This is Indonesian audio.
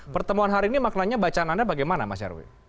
pertemuan hari ini maknanya bacaan anda bagaimana mas nyarwi